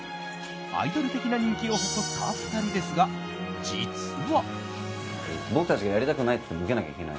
アイドル的な人気を誇った２人ですが、実は。